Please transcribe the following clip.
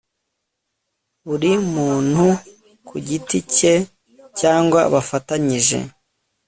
buri muntu ku giti cye cyangwa bafatanyije